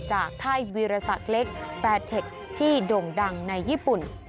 จากไทยวิราษาเล็กแฟสเทคที่ด่งดังในญี่ปุ่น